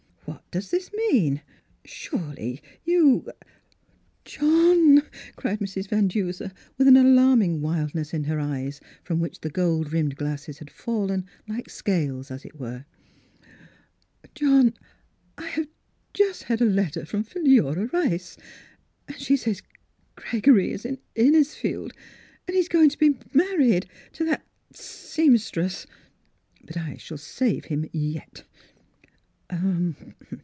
"What does this mean.? Surely, you —"" John 1 " cried Mrs. Van Duser, with an alarming wildness in her eyes, from which the gold rimmed glasses had fallen, like scales, as it were. " John, I have just had a letter from Philura Rice, and Miss Philura's Wedding Gown she says Gregory is in Innisfield, and that he is going to be married to that — seamstress. But I shall save him yet."